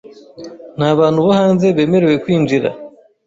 Nta bantu bo hanze bemerewe kwinjira .